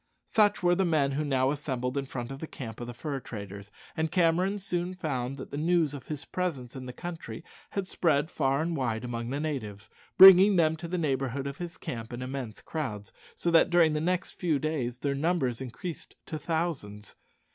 Such were the men who now assembled in front of the camp of the fur traders, and Cameron soon found that the news of his presence in the country had spread far and wide among the natives, bringing them to the neighbourhood of his camp in immense crowds, so that during the next few days their numbers increased to thousands.